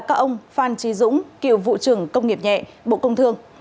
các ông phan trí dũng cựu vũ trưởng công nghiệp nhẹ bộ công thương